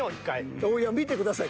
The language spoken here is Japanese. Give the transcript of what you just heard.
見てください。